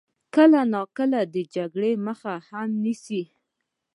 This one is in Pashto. کله ناکله د جګړې مخه هم نیسي.